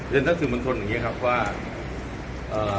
เรียนท่านถึงบรรชนแบบนี้ครับว่าเอ่อ